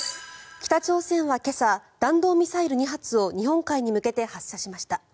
北朝鮮は今朝弾道ミサイル２発を日本海に向けて発射しました。